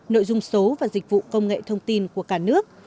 nội dung số và dịch vụ công nghệ thông tin của cả nước